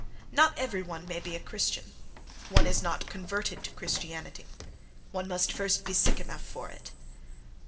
Not every one may be a Christian: one is not "converted" to Christianity—one must first be sick enough for it....